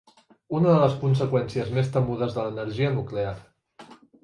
Una de les conseqüències més temudes de l'energia nuclear.